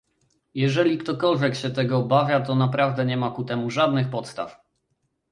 Jeżeli ktokolwiek się tego obawia, to naprawdę nie ma ku temu żadnych podstaw